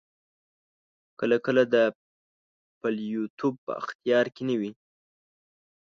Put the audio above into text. کله کله دا پلویتوب په اختیار کې نه وي.